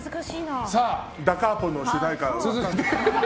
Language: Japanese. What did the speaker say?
ダ・カーポの主題歌。